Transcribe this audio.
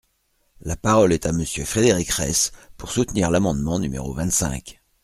La parole est à Monsieur Frédéric Reiss, pour soutenir l’amendement numéro vingt-cinq.